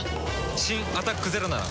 新「アタックＺＥＲＯ」なら。